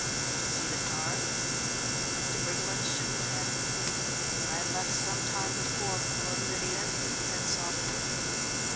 "Did you see the car?" Mr. Briggerland shook his head. "I left some time before poor Lydia," he said softly.